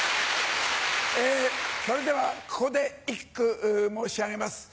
それではここで一句申し上げます。